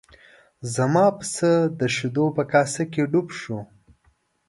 زما پسه د شیدو په کاسه کې ډوب شو.